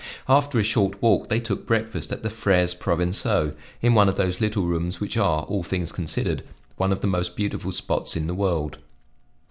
After a short walk they took breakfast at the Freres Provencaux, in one of those little rooms which are, all things considered, one of the most beautiful spots in the world.